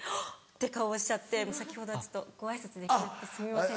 て顔をしちゃって先ほどはちょっとご挨拶できなくてすみません。